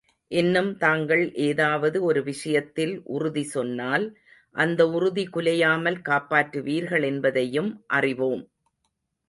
இன்னும் தாங்கள் ஏதாவது ஒரு விஷயத்தில் உறுதி சொன்னால் அந்த உறுதி குலையாமல் காப்பாற்றுவீர்கள் என்பதையும் அறிவோம்.